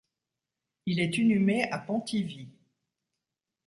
Il est inhumé à Pontivy.